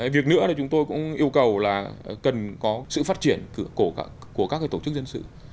việc nữa là chúng tôi cũng yêu cầu là cần có sự phát triển của các tổ chức dân sự